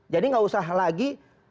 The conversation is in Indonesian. jadi tidak usah lagi